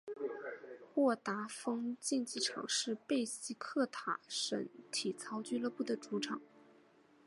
沃达丰竞技场是贝西克塔什体操俱乐部的主场。